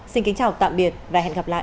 xin kính chào tạm biệt và hẹn gặp lại